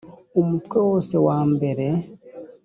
umutwe wose wa mbere